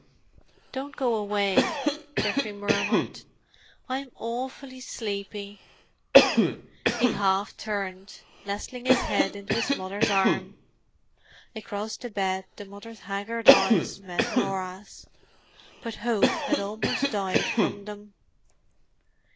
"Don't go away," Geoffrey murmured. "I'm awful sleepy." He half turned, nestling his head into his mother's arm. Across the bed the mother's haggard eyes met Norah's. But hope had almost died from them.